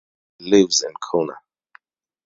He lives in Khulna.